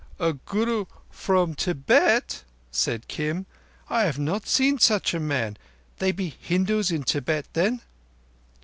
"A guru from Tibet," said Kim. "I have not seen such a man. They be Hindus in Tibet, then?"